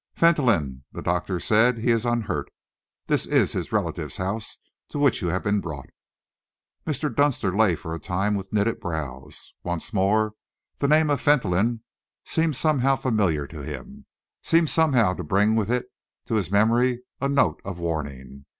"Fentolin," the doctor said. "He is unhurt. This is his relative's house to which you have been brought." Mr. Dunster lay for a time with knitted brows. Once more the name of Fentolin seemed somehow familiar to him, seemed somehow to bring with it to his memory a note of warning.